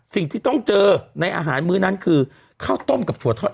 สิ่งที่ต้องเจอในอาหารมื้อนั้นคือข้าวต้มกับถั่วทอด